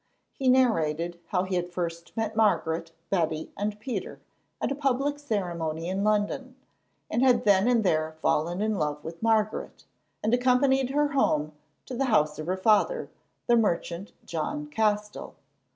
He narrated how he had first met Margaret, Betty, and Peter at a public ceremony in London, and had then and there fallen in love with Margaret, and accompanied her home to the house of her father, the merchant John Castell.